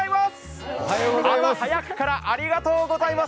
朝早くからありがとうございます。